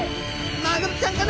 マグロちゃんかな？